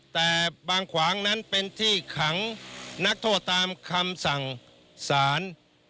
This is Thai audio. แต่บางขวางนั้นเป็นที่ขังนักโทษตามคำสั่งสาร